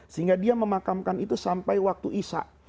sehingga dia memakamkan itu sampai waktu isa